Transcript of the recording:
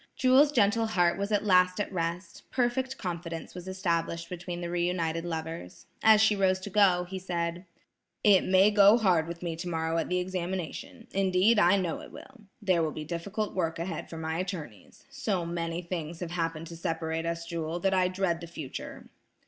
Jewel's gentle heart was at last at rest; perfect confidence was established between the re united lovers. As she rose to go, he said: "It may go hard with me tomorrow at the examination; indeed, I know it will. There will be difficult work ahead for my attorneys. So many things have happened to separate us, Jewel, that I dread the future."